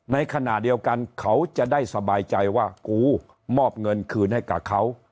ในขณะเดียวกันเขาจะได้สบายใจว่ากูมอบเงินคืนให้กับเขา